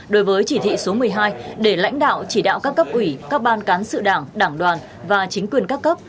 đối với chỉ thị số một mươi hai để lãnh đạo chỉ đạo các cấp ủy các ban cán sự đảng đảng đoàn và chính quyền các cấp